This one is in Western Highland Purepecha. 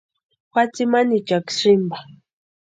Jua tsimani ichakwa sïmpa.